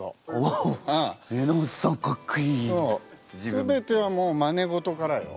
全てはもうまね事からよ。